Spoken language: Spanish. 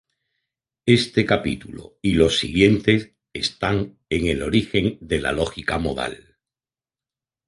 Este capítulo y los siguientes están en el origen de la lógica modal.